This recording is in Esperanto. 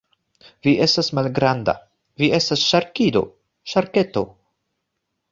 Vi estas malgranda. Vi estas ŝarkido. Ŝarketo.